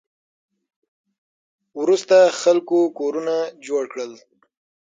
وروسته خلکو کورونه جوړ کړل